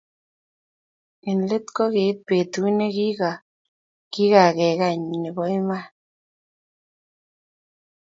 Eng let ko kiit betut ne kikakekeny nebo iman